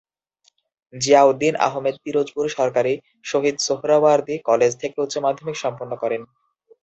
জিয়াউদ্দিন আহমেদ পিরোজপুর সরকারী শহীদ সোহরাওয়ার্দী কলেজ থেকে উচ্চমাধ্যমিক সম্পন্ন করেন।